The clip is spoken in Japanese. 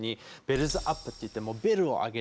ベルズアップっていってもうベルを上げて。